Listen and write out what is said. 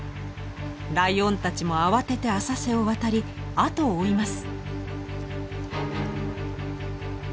ライオンたちも慌てて浅瀬を渡りあとを追います。